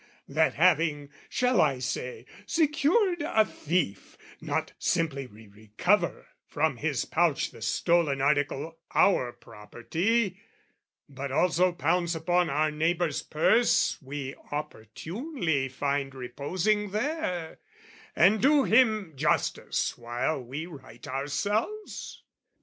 That having shall I say secured a thief, Not simply we recover from his pouch The stolen article our property, But also pounce upon our neighbour's purse We opportunely find reposing there, And do him justice while we right ourselves?